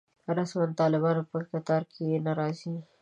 رسماً د طالبانو په کتار کې نه راځي.